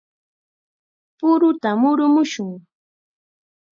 ¡Puruta murumushun!